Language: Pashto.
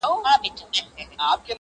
ورته ګوره چي عطا کوي سر خم کا,